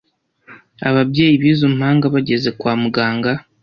ababyeyi b’izo mpanga bageze kwa muganga.